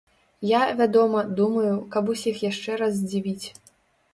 Я, вядома, думаю, каб усіх яшчэ раз здзівіць.